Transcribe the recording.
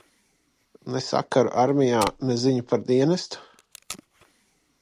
Ne sakaru armijā, ne ziņu par dienestu?